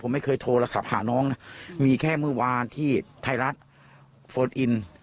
ไม่เคยโทรศัพท์หาน้องนะมีแค่เมื่อวานที่ไทยรัฐโฟนอิน